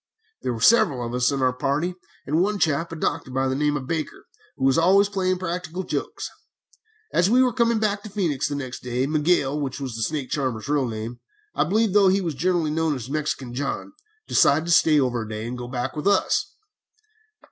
"There were several of us in the party, and one chap, a doctor by the name of Baker, who was always playing practical jokes. As we were coming back to Phœnix, the next day, Miguel, which was the snake charmer's real name, I believe, although he was generally known as Mexican John, decided to stay over a day and go back with us.